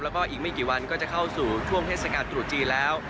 แล้วก็อีกไม่กี่วันก็จะเข้าสู่ช่วงเทศกาลตรุษจีนแล้ว